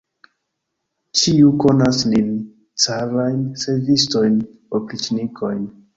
Ĉiu konas nin, carajn servistojn, opriĉnikojn!